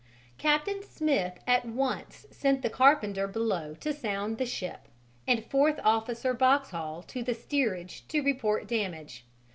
Captain Smith at once sent the carpenter below to sound the ship, and Fourth Officer Boxhall to the steerage to report damage.